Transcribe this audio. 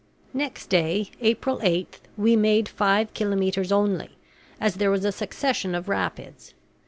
Next day, April 8, we made five kilometres only, as there was a succession of rapids.